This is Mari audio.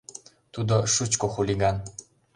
— Тудо шучко хулиган